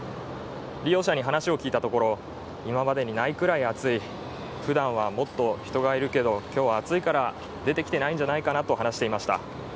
利用者に話を聞いたところ今までにないぐらい暑い、ふだんはもっと人がいるけど今日は暑いから出てきていないんじゃないかなと話していました。